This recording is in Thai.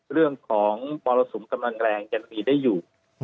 เรื่องของมรสุมกำลังแรงยังมีได้อยู่